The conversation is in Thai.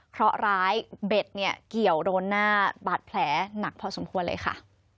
เพราะร้ายเบ็ดเนี่ยเกี่ยวโดนหน้าบาดแผลหนักพอสมควรเลยค่ะ